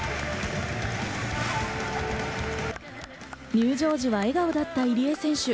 入場時は笑顔だった入江選手。